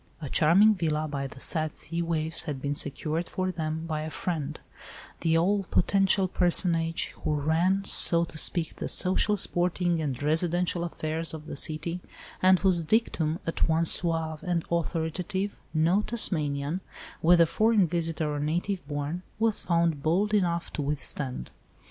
A charming villa "by the sad sea waves" had been secured for them, by a friend, the all potential personage who "ran," so to speak, the social, sporting, and residential affairs of the city, and whose dictum, at once suave and authoritative, no Tasmanian, whether foreign visitor or native born, was found bold enough to withstand.